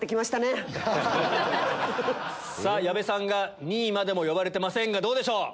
矢部さんが２位までも呼ばれてませんがどうでしょう？